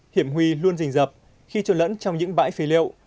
hiểm huy luôn dình dập khi trốn lẫn trong những bãi phế liệu